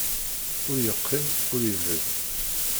Ur yeqqim, ur ibedd.